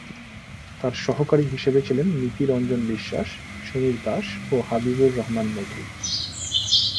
তার সহকারী হিসেবে ছিলেন নীতি রঞ্জন বিশ্বাস, সমীর দাস, ও হাবিবুর রহমান মধু।